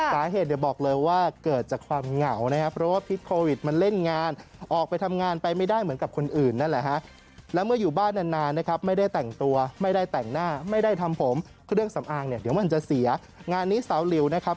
สาเหตุเดี๋ยวบอกเลยว่าเกิดจากความเหงานะครับ